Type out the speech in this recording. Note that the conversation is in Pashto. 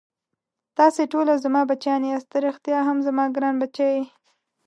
تاسې ټوله زما بچیان یاست، ته ريښتا هم زما ګران بچی یې.